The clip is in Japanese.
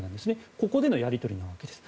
ここでのやり取りです。